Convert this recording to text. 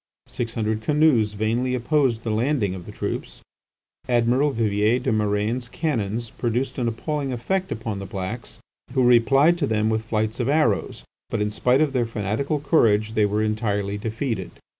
Six hundred canoes vainly opposed the landing of the troops. Admiral Vivier des Murènes' cannons produced an appalling effect upon the blacks, who replied to them with flights of arrows, but in spite of their fanatical courage they were entirely defeated.